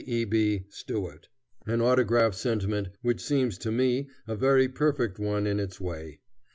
E. B. STUART," an autograph sentiment which seems to me a very perfect one in its way.